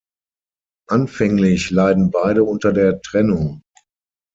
Anfänglich leiden beide unter der Trennung.